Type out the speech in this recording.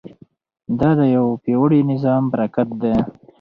دا د یو پیاوړي نظام برکت دی.